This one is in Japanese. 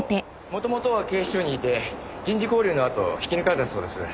元々は警視庁にいて人事交流のあと引き抜かれたそうです。